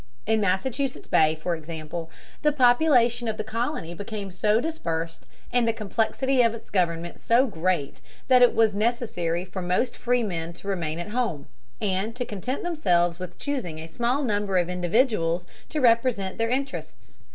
In Massachusetts Bay, for example, the population of the colony became so dispersed, and the complexity of its government so great, that it was necessary for most freemen to remain at home, and to content themselves with choosing a small number of individuals to represent their interests.